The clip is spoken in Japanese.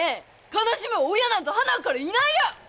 悲しむ親なんぞはなからいないよ！